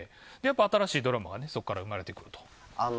新しいドラマがそこから生まれてくると。